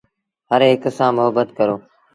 هرهڪ سآݩ مهبت ڪرو۔